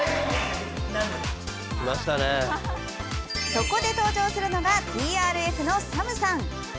そこで登場するのがＴＲＦのＳＡＭさん。